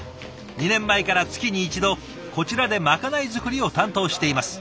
２年前から月に一度こちらでまかない作りを担当しています。